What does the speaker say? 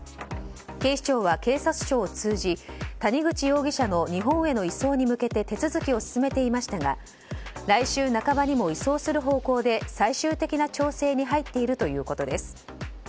警視庁は警察庁を通じ谷口容疑者の日本への移送に向けて手続きを進めていましたが来週半ばにも移送する方向で最終的な調整に入っているということです。